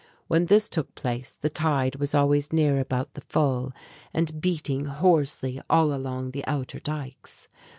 When this took place the tide was always near about the full, and beating hoarsely all along the outer dykes.